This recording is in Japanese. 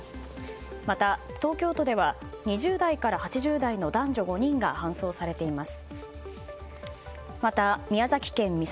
また、東京都では２０代から８０代の男女５人が搬送されています。